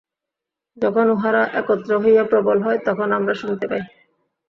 যখন উহারা একত্র হইয়া প্রবল হয়, তখন আমরা শুনিতে পাই।